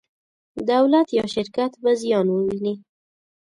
دولت یا شرکت به زیان وویني.